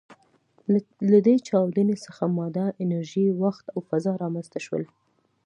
له دې چاودنې څخه ماده، انرژي، وخت او فضا رامنځ ته شول.